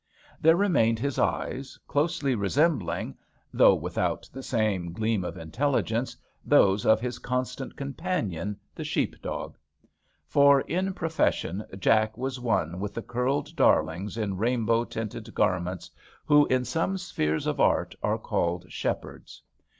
There remained his eyes, closely resembling — though without the same gleam of intelligence — those of his constant companion, the sheepdog. For in profession Jack was one with the curled darlings in 38 OLD JACK rain bow tinted garments who, in some spheres of art, are called shepherds.